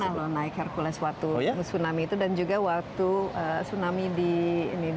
saya juga pernah naik hercules waktu tsunami itu dan juga waktu tsunami di maumere